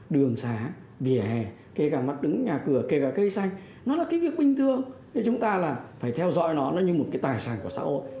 đường xá vỉa hè kể cả mắt đứng nhà cửa kể cả cây xanh nó là cái việc bình thường chúng ta phải theo dõi nó như một tài sản của xã hội